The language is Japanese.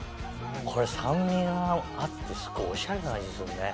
これ酸味があってすごいオシャレな味するね。